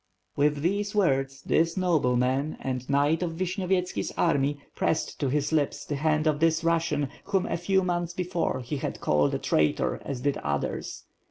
. With these words, this nobleman and knight of Vishnyovy etski's army, pressed to his lips the hand of this Russian, whom a few months before, he had called a traitor as did others.